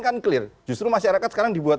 kan clear justru masyarakat sekarang dibuat